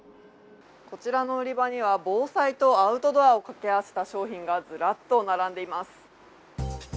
こちらの売り場には防災とアウトドアをかけ合わせた商品がずらっと並んでいます。